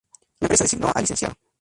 La empresa designó al Lic.